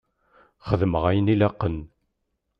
Xeddmeɣ ayen i laqen.